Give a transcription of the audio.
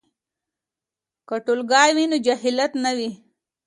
که ټولګی وي نو جهالت نه وي.